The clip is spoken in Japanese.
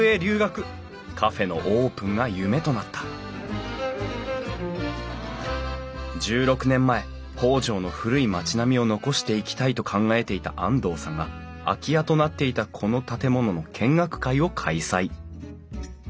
カフェのオープンが夢となった１６年前北条の古い町並みを残していきたいと考えていた安藤さんが空き家となっていたこの建物の見学会を開催。